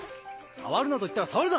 触るなと言ったら触るな！